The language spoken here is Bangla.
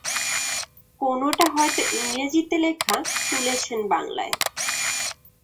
কোনোটা হয়তো ইংরেজিতে লেখা, তুলেছেন বাংলায়।